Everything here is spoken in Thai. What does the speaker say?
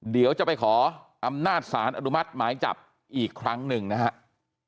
เดี๋ยวจะไปขออำนาจสารอนุมัติหมายจับอีกครั้งหนึ่งนะครับ